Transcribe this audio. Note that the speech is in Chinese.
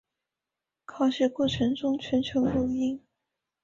考试过程中全程录音。